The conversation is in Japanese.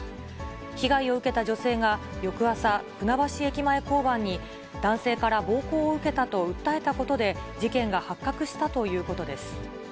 被害を受けた女性が、翌朝、船橋駅前交番に、男性から暴行を受けたと訴えたことで、事件が発覚したということです。